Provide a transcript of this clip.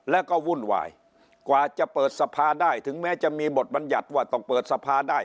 แล้วก็วุ่นวายกว่าจะเปิดสภาได้ถึงแม้จะมีบทบัญญัติว่าต้องเปิดสภาได้